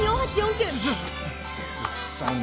９。